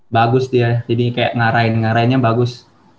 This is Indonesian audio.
bagus dia jadi kayak ngarahin ngarainnya bagus